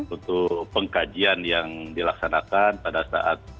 untuk pengkajian yang dilaksanakan pada saat